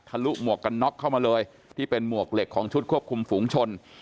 ลุหมวกกันน็อกเข้ามาเลยที่เป็นหมวกเหล็กของชุดควบคุมฝูงชน